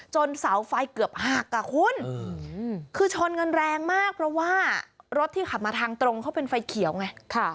เสาไฟเกือบหักอ่ะคุณคือชนกันแรงมากเพราะว่ารถที่ขับมาทางตรงเขาเป็นไฟเขียวไง